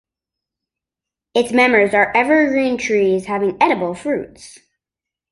Its members are evergreen trees having edible fruits.